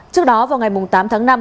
trước đó vào ngày tám tháng năm